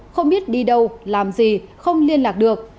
không biết đi đâu làm gì không liên lạc được